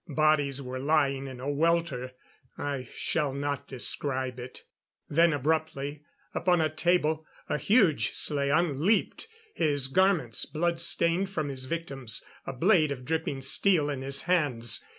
Bodies were lying in a welter I shall not describe it. Then abruptly, upon a table a huge slaan leaped his garments blood stained from his victims, a blade of dripping steel in his hands.